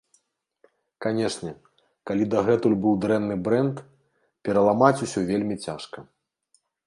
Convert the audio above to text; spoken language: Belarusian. Канечне, калі дагэтуль быў дрэнны брэнд, пераламаць усё вельмі цяжка.